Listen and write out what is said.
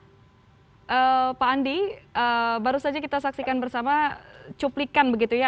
oke pak andi baru saja kita saksikan bersama cuplikan begitu ya